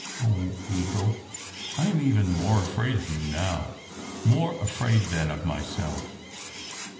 Oh, Eagle! I m even more afraid of you now more afraid than of myself!"